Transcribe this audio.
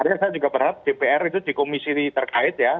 karena saya juga berharap dpr itu di komisi terkait ya